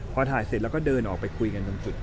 พอถ่ายเสร็จแล้วก็เดินออกไปคุยกันตรงจุด